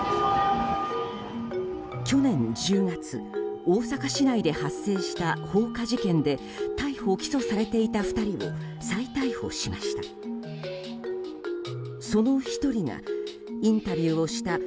去年１０月、大阪市内で発生した放火事件で逮捕・起訴されていた２人を再逮捕しました。